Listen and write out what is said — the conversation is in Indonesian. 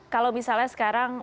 kalau misalnya sekarang